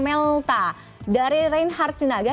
melta dari reinhardt sinaga